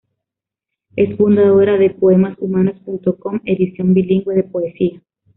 Es fundadora de poemashumanos.com, edición bilingüe de poesía.